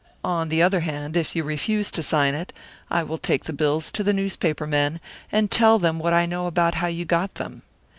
On the other hand, if you refuse to sign it, I will take the bills to the newspaper men, and tell them what I know about how you got them.'